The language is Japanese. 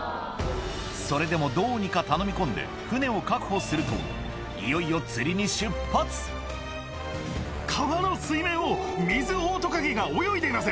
それでもどうにか頼み込んで船を確保するといよいよ川の水面をミズオオトカゲが泳いでいます。